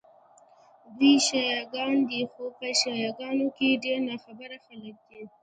دوی شیعه ګان دي، خو په شیعه ګانو کې ډېر ناخبره خلک دي.